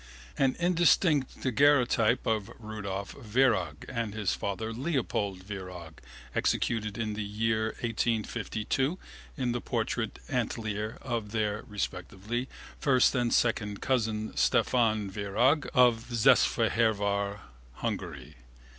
An indistinct daguerreotype of Rudolf Virag and his father Leopold Virag executed in the year 1852 in the portrait atelier of their (respectively) 1st and 2nd cousin, Stefan Virag of Szesfehervar, Hungary.